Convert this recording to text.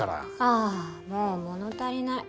あもう物足りない。